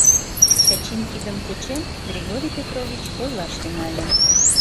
— Чачин кидым кучен, Григорий Петрович ойлаш тӱҥале.